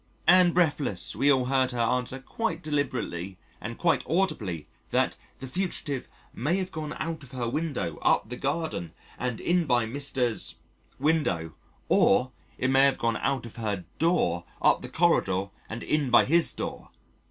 And breathless, we all heard her answer deliberately and quite audibly that the fugitive may have gone out of her window, up the garden and in by Mr. 's window, or it may have gone out of her door, up the corridor and in by his door.